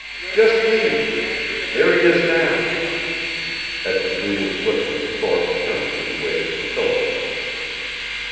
"Just leaving. There he is now!" At MacDougall's whistle Thorpe turned and waited for Philip.